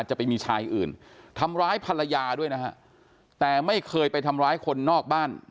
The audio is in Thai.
จะไปมีชายอื่นทำร้ายภรรยาด้วยนะฮะแต่ไม่เคยไปทำร้ายคนนอกบ้าน